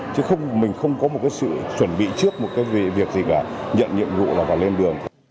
chứ không mình không có một cái sự chuẩn bị trước một cái việc gì cả nhận nhiệm vụ là cả lên đường